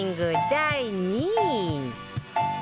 第２位